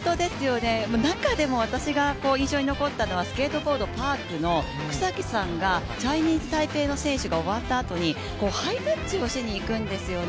中でも私が印象に残ったのはスケートボードパークの草木さんがチャイニーズ・タイペイの選手が終わったあとにハイタッチをしに行くんですよね。